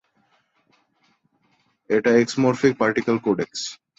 এটা এক্সমরফিক particle codex!